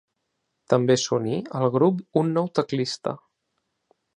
També s'uní al grup un nou teclista: